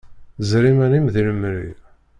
Ẓer iman-im di lemri.